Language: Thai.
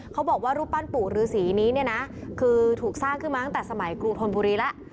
เขาบอกว่ารูปปั้นปู่ฤษีนี้เนี่ยนะคือถูกสร้างขึ้นมาตั้งแต่สมัยกรุงธนบุรีแล้ว